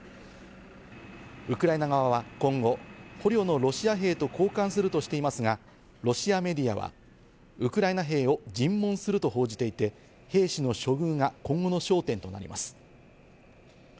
ウクライナ側は今後、捕虜のロシア兵と交換するとしていますが、ロシアメディアはウクライナ兵を尋問すると報じていて、兵士の処遇が今後の焦点となります。